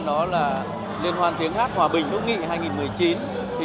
đó là liên hoan tiếng hát hòa bình hữu nghị hai nghìn một mươi chín